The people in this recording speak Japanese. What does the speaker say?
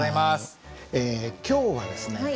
今日はですね